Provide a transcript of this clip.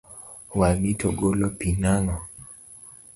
Wang’i to golo pi nang’o?